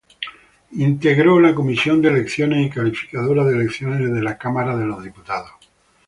Integró la comisión de Elecciones y Calificadora de Elecciones de la Cámara de Diputados.